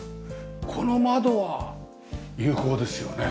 この窓は有効ですよね。